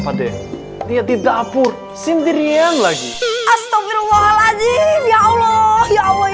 pada dia di dapur sendiri yang lagi astagfirullahaladzim ya allah ya allah ya allah ya ampun lupa pada kesian banget ini